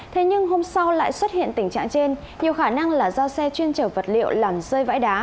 thế nhưng hôm sau lại xuất hiện tình trạng trên nhiều khả năng là do xe chuyên chở vật liệu làm rơi vãi đá